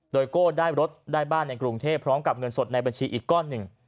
โดยโก้ได้รถได้บ้านในกรุงเทพพร้อมกับเงินสดในบัญชีอีกก้อนหนึ่ง